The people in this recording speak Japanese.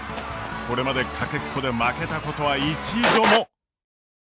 これまでかけっこで負けたことは一度も。